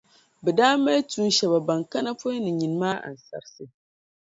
Bɛ daa mali tuun’ shεba ban kana pɔi ni nyini maa ansarsi.